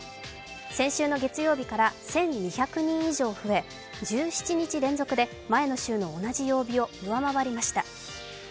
先週の月曜日から１２００人以上増え１７日連続で前の週の同じ曜日を上回りました。